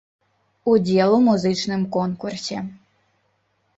Удзел у музычным конкурсе.